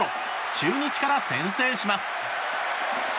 中日から先制します。